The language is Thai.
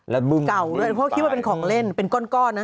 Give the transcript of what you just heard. เก่าด้วยเพราะเขาคิดว่าเป็นของเล่นเป็นก้อนนะ